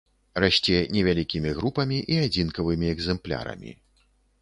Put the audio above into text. Расце невялікімі групамі і адзінкавымі экзэмплярамі.